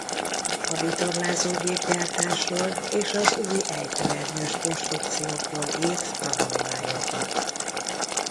A vitorlázógép gyártásról és az új ejtőernyős konstrukciókról írt tanulmányokat.